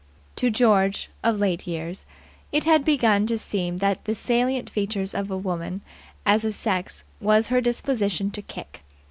To George, of late years, it had begun to seem that the salient feature of woman as a sex was her disposition to kick.